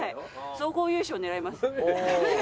総合優勝狙います。